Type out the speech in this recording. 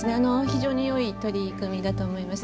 非常によい取り組みだと思います。